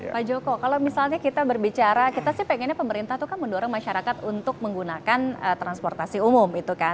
pak joko kalau misalnya kita berbicara kita sih pengennya pemerintah itu kan mendorong masyarakat untuk menggunakan transportasi umum